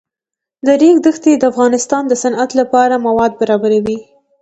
د ریګ دښتې د افغانستان د صنعت لپاره مواد برابروي.